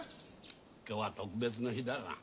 今日は特別な日だ。